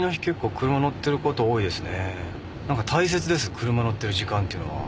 車乗ってる時間っていうのは。